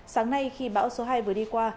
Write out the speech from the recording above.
sáng nay khi bão số hai vừa đi qua